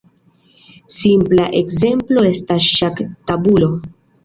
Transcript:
Simpla ekzemplo estas ŝaktabulo.